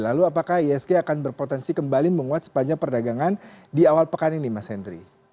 lalu apakah isg akan berpotensi kembali menguat sepanjang perdagangan di awal pekan ini mas hendry